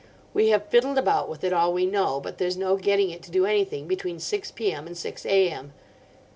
We have fiddled about with it all we know, but there's no getting it to do anything between six p.m. and six am.